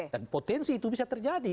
dan potensi itu bisa terjadi